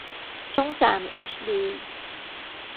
ช่องสามเอชดี